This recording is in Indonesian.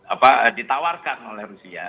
apa ditawarkan oleh rusia